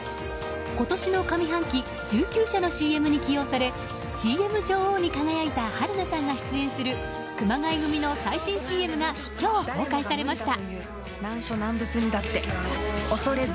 今年の上半期、１９社のＣＭに起用されＣＭ女王に輝いた春奈さんが出演する熊谷組の最新ＣＭが今日公開されました。